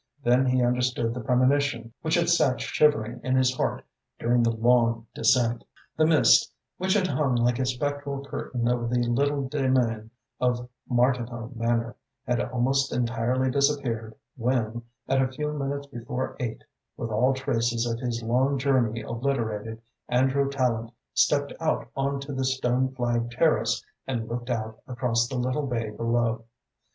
Then he understood the premonition which had sat shivering in his heart during the long descent. The mist, which had hung like a spectral curtain over the little demesne of Martinhoe Manor, had almost entirely disappeared when, at a few minutes before eight, with all traces of his long journey obliterated, Andrew Tallente stepped out on to the stone flagged terrace and looked out across the little bay below.